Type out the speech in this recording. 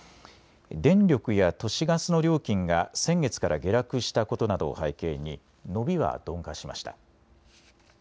電力や都市ガスの料金が先月から下落したことなどを背景に伸びは鈍化しました。